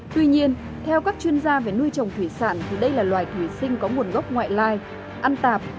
tuy nhiên theo các chuyên gia về nuôi trồng thủy sản thì đây là loài thủy sinh có nguồn gốc ngoại lai ăn tạp